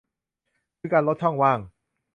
คือการลดช่องว่าง